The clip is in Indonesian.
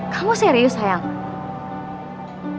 kamu serius sayang